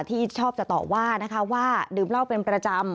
ที่ชอบจะต่อว่านะคะว่าดื่มเหล้าเป็นประจำ